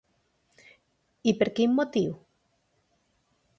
I per quin motiu?